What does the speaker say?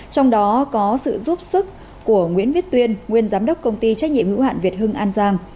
trong đó có sự giúp sức của nguyễn viết tuyên nguyên giám đốc công ty trách nhiệm hữu hạn việt hưng an giang